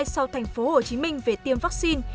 sau thành phố hồ chí minh về tiêm vaccine